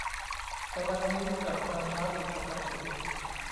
แต่วันนี้กลับมาช้าผิดปกติ